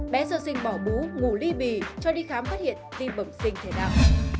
bé sơ sinh bỏ bú ngủ ly bì cho đi khám phát hiện tim bẩm sinh thể đạo